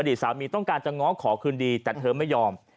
สามีต้องการจะง้อขอคืนดีแต่เธอไม่ยอม